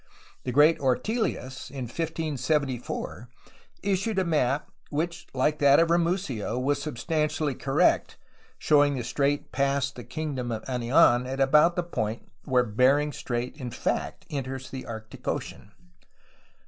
The great OrteUus, in 1574, issued a map which, like that of Ramusio, was substantially correct, showing the strait past the kingdom of Anian at about the point where Bering Strait in fact enters the Arctic Ocean.